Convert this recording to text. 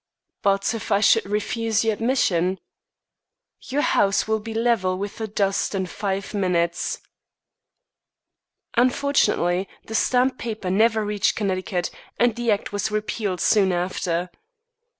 "But if I should refuse you admission?" "Your house will be level with the dust in five minutes." Fortunately, the stamped paper never reached Connecticut, and the act was repealed soon after.